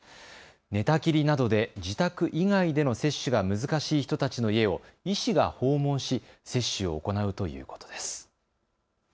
寝たきりなどで自宅以外での接種が難しい人たちの家を医師が訪問し接種を行うということです。